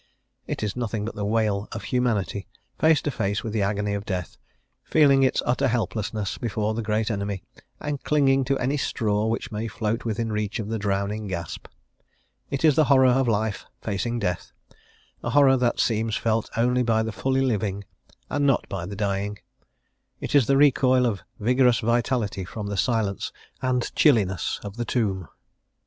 It is nothing but the wail of humanity, face to face with the agony of death, feeling its utter helplessness before the great enemy, and clinging to any straw which may float within reach of the drowning grasp; it is the horror of Life facing Death, a horror that seems felt only by the fully living and not by the dying; it is the recoil of vigorous vitality from the silence and chilliness of the tomb.